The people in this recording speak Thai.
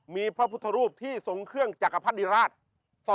มีพระพุทธรูปศิษภ์ที่ทรงเครื่องจากภรรษฎิราช